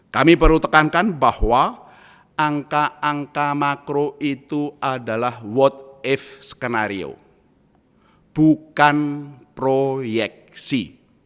kami perlu tekankan bahwa angka angka makro itu adalah world eff skenario bukan proyeksi